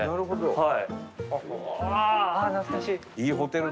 はい。